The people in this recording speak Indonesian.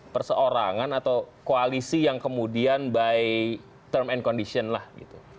perseorangan atau koalisi yang kemudian by term and condition lah gitu